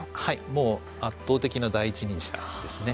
もう圧倒的な第一人者ですね。